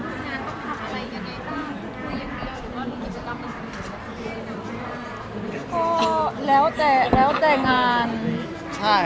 ก็ไม่ถามอะไรอย่างเงี้ย